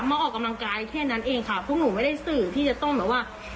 มาออกกำลังกายแค่นั้นเองค่ะพวกหนูไม่ได้สื่อที่จะต้องแบบว่า